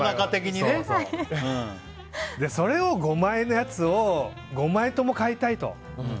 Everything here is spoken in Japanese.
それを５枚のやつを５枚とも買いたいと。